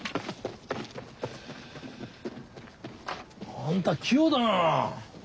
あんた器用だな。